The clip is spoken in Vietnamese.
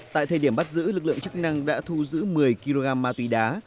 tại thời điểm bắt giữ lực lượng chức năng đã thu giữ một mươi kg ma túy đá